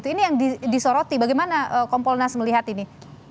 ini yang disoroti bagaimana kompolnas melihat ini